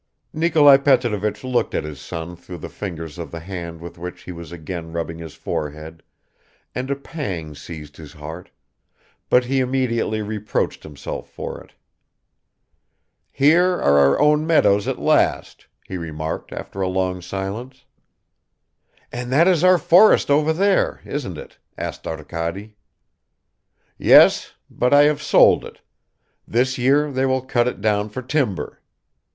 Nikolai Petrovich looked at his son through the fingers of the hand with which he was again rubbing his forehead, and a pang seized his heart ... but he immediately reproached himself for it. "Here are our own meadows at last," he remarked after a long silence. "And that is our forest over there, isn't it?" asked Arkady. "Yes. But I have sold it. This year they will cut it down for timber."